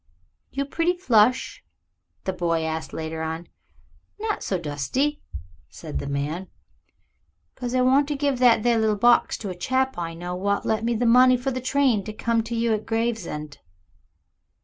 "You pretty flush?" the boy asked later on. "Not so dusty," said the man. "'Cause I wanter give that there little box to a chap I know wot lent me the money for the train to come to you at Gravesend."